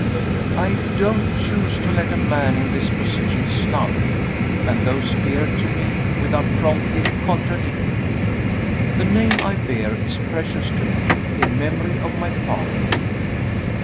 I don't choose to let a man in this position slander me, and those dear to me, without promptly contradicting him. The name I bear is precious to me, in memory of my father.